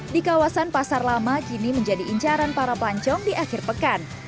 di kawasan pasar lama kini menjadi incaran para pelancong di akhir pekan